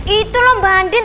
itu loh mbak andin